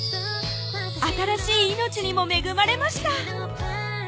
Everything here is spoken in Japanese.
新しい命にも恵まれました